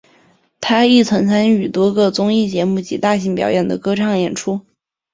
他亦曾参与多个综艺节目及大型表演的歌唱演出。